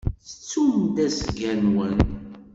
Tettum-d asga-nwen.